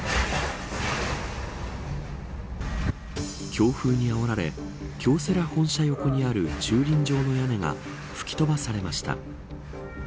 強風にあおられ京セラ本社横にある駐輪場の屋根が吹き飛ばされました。